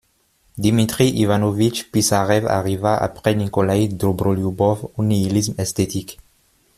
Dmitri Ivanovitch Pissarev arriva, après Nikolaï Dobrolioubov, au nihilisme esthétique.